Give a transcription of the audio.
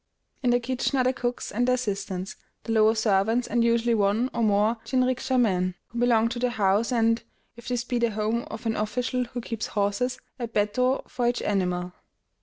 In the kitchen are the cooks and their assistants, the lower servants, and usually one or more jinrikisha men, who belong to the house, and, if this be the home of an official who keeps horses, a bettō for each animal.